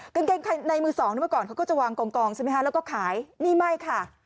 กางเกงในมือสองเมื่อก่อนเขาก็จะวางกองใช่ไหมคะแล้วก็ขายนี่ไม่ค่ะ